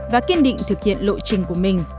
và kiên định thực hiện lộ trình của mình